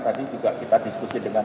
tadi juga kita diskusi dengan